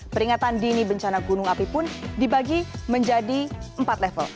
peringatan dini bencana gunung api pun dibagi menjadi empat level